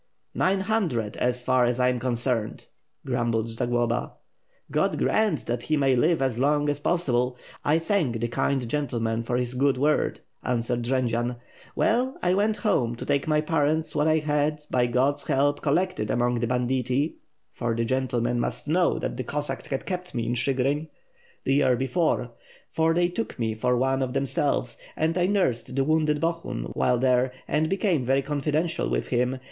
"Nine hundred so far as I am concerned," grumbled Za globa. "God grant that he may live as long as possible! I thank the kind gentleman for his good word," answered Jendzian. "Well, I went home to take my parents what I had, by God's help, collected among the banditti — for the gentlemen must know that the Cossacks had kept me in Chigrin the year be fore, for they took me for one of themselves; and I nursed the wounded Bohun while there and became very confidential with him.